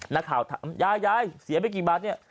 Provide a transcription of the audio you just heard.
นักข่าวถามยายยายเสียไปกี่บาทเนี่ย